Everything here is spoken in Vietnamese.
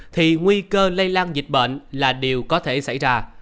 thì nguy cơ lây lan dịch bệnh là điều có thể xảy ra